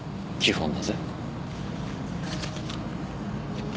基本だぜ。